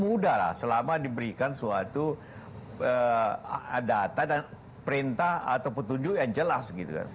mudah lah selama diberikan suatu data dan perintah atau petunjuk yang jelas